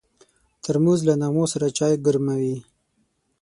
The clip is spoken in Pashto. ترموز له نغمو سره چای ګرموي.